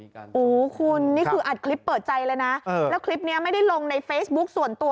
โอ้โหคุณนี่คืออัดคลิปเปิดใจเลยนะแล้วคลิปนี้ไม่ได้ลงในเฟซบุ๊คส่วนตัว